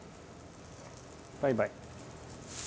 バイバイ。